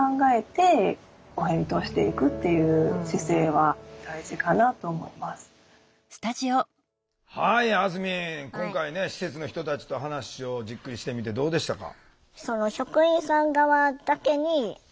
はいあずみん今回ね施設の人たちと話をじっくりしてみてどうでしたか？